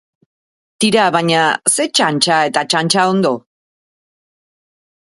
Tira, baina ze txantxa eta txantxa-ondo?